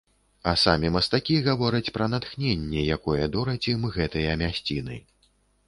А самі мастакі гавораць пра натхненне, якое дораць ім гэтыя мясціны.